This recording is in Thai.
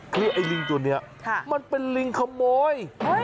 เพียร์ต์ไอ้ลิงตัวเนี่ยมันเป็นลิงขโมย